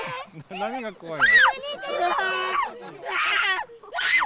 何が怖いの？